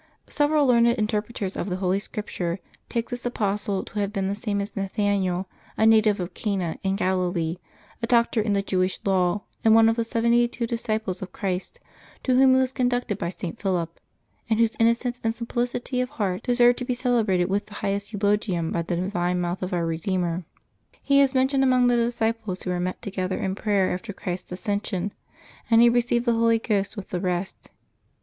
Several learned interpreters of the Holy Scripture take this apostle to have been the same as Nathaniel, a native of Cana, in Galilee, a doctor in the Jewish law, and one of the seventy two disciples of Christ, to whom he was con ducted by St. Philip, and whose innocence and simplicity of heart deserved to be celebrated with the highest eulogium by the divine mouth of Our Redeemer. He is mentioned among the disciples who were met together in prayer after Christ's ascension, and he received the Holy Ghost with the rest.